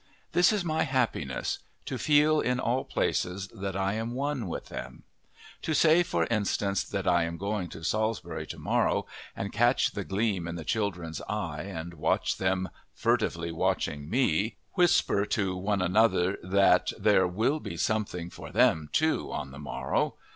This is my happiness to feel, in all places, that I am one with them. To say, for instance, that I am going to Salisbury to morrow, and catch the gleam in the children's eye and watch them, furtively watching me, whisper to one another that there will be something for them, too, on the morrow.